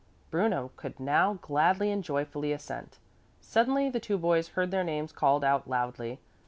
Bruno could now gladly and joyfully assent. Suddenly the two boys heard their names called out loudly.